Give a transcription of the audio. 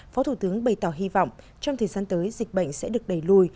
phó thủ tướng bày tỏ hy vọng trong thời gian tới dịch bệnh sẽ được đẩy lùi